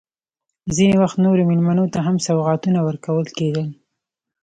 ځینې وخت نورو مېلمنو ته هم سوغاتونه ورکول کېدل.